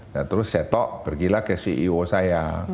nah terus saya tok pergilah ke ceo saya